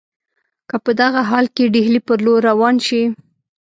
که په دغه حال کې ډهلي پر لور روان شي.